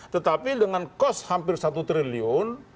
tetapi dengan cost hampir satu triliun